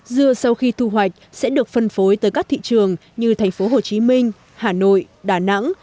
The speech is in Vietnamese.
dưa sau khi thu hoạch sẽ được phân phối tới các thị trường như thành phố hồ chí minh hà nội đà nẵng